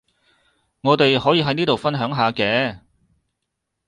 我哋可以喺呢度分享下嘅